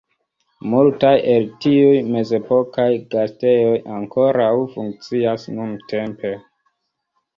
Multaj el tiuj mezepokaj gastejoj ankoraŭ funkcias nuntempe.